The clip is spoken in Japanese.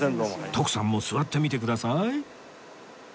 徳さんも座ってみてください